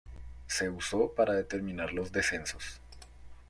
Se usó para determinar los descensos.